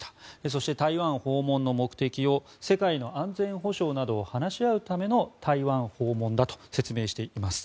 そして台湾訪問の目的を世界の安全保障などを話し合うための台湾訪問だと説明しています。